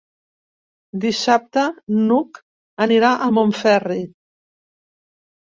Dissabte n'Hug anirà a Montferri.